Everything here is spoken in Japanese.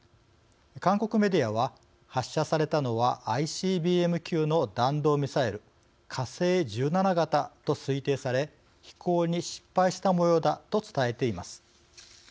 韓国メディアは「発射されたのはＩＣＢＭ級の弾道ミサイル火星１７型と推定され飛行に失敗したもようだ」と伝えています。